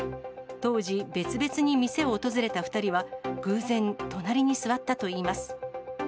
当時、別々に店を訪れた２人は、偶然、隣に座ったといいます。